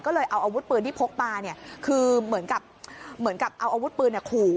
ก็เลยเอาอาวุธปืนที่พกมาเนี่ยคือเหมือนกับเหมือนกับเอาอาวุธปืนขู่